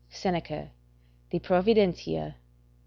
Seneca, De Providentia, c.